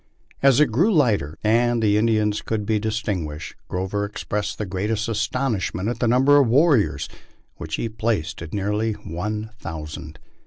As it grew lighter, and the Indians could be distinguished, Grover expressed the greatest astonishment at the number of warriors, which he placed at nearly one thousand.